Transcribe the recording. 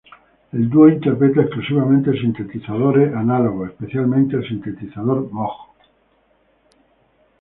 El dúo interpreta exclusivamente sintetizadores análogos, especialmente el sintetizador Moog.